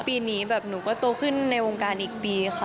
ปีนี้แบบหนูก็โตขึ้นในวงการอีกปีค่ะ